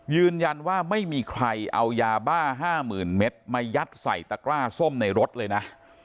ยืนยันว่าไม่มีใครเอายาบ้า๕๐๐๐เมตรมายัดใส่ตะกร้าส้มในรถเลยนะ